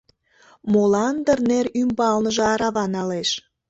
Молан дыр нер ӱмбалныже арава налеш.